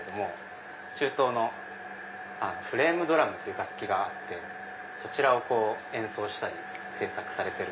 中東のフレームドラムって楽器があってそちらを演奏したり制作されてる。